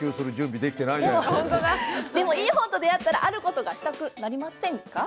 でも、いい本と出会ったらあることがしたくなりませんか？